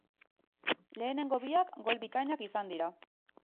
Lehenengo biak gol bikainak izan dira.